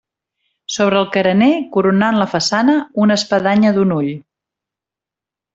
Sobre el carener, coronant la façana, una espadanya d'un ull.